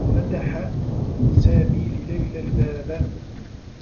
فتح سامي لليلى الباب.